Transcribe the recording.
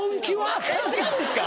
違うんですか？